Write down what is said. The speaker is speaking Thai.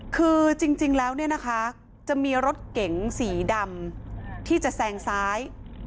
คือจริงแล้วเนี่ยนะคะจะมีรถเก๋งสีดำที่จะแซงซ้าย